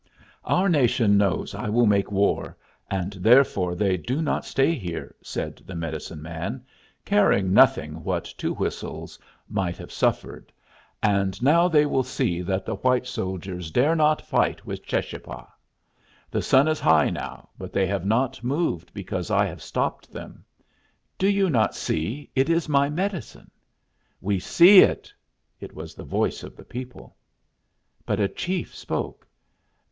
"Our nation knows I will make a war, and therefore they do not stay here," said the medicine man, caring nothing what Two Whistles might have suffered. "And now they will see that the white soldiers dare not fight with Cheschapah. The sun is high now, but they have not moved because I have stopped them. Do you not see it is my medicine?" "We see it." It was the voice of the people. But a chief spoke.